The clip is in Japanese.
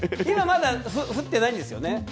今、まだ降ってないんですよね。